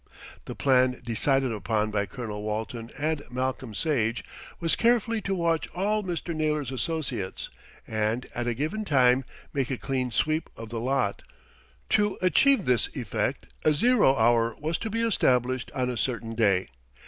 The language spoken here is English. The plan decided upon by Colonel Walton and Malcolm Sage was carefully to watch all Mr. Naylor's associates and, at a given time, make a clean sweep of the lot. To achieve this effect a zero hour was to be established on a certain day.